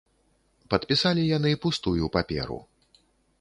Падпісалі яны пустую паперу.